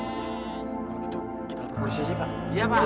kalau begitu kita lepor polisi aja pak